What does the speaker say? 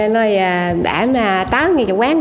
nói bẹ ảm là tới nghe cho quán